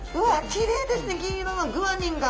きれいですね銀色のグアニンが！